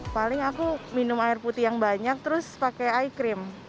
paling aku minum air putih yang banyak terus pakai air putih